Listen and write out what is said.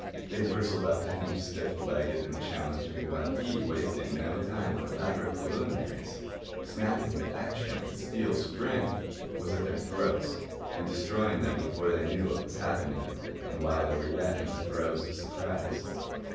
They bristled up to him, stiff legged and challenging, while he, wasting no time on elaborate preliminaries, snapping into action like a steel spring, was at their throats and destroying them before they knew what was happening and while they were yet in the throes of surprise.